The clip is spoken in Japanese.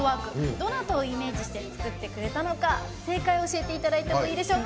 どなたをイメージして作ってくれたのか正解を教えていただいてもいいでしょうか。